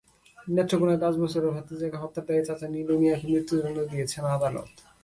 নেত্রকোনায় পাঁচ বছরের ভাতিজাকে হত্যার দায়ে চাচা নীলু মিয়াকে মৃত্যুদণ্ড দিয়েছেন আদালত।